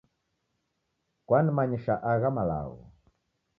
Kwanimanyisha agha malagho